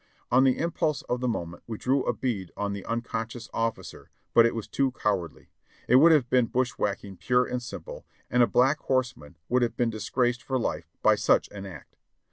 On the impulse of the mo ment we drew a bead on the unconscious officer; but it was too cowardly. It would have been bushwhacking pure and simple and a Black Horseman would have been disgraced for life by such an act.